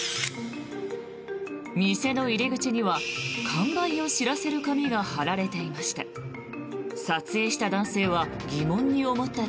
店の入り口には完売を知らせる紙が貼られていました。